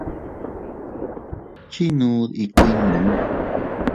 ¿Chinnud ikuinnu?